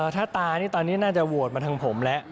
ถ้าตาตอนนี้น่าจะโหวตมาถึงผมแหละ